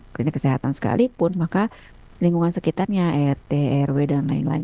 klinik kesehatan sekalipun maka lingkungan sekitarnya rt rw dan lain lain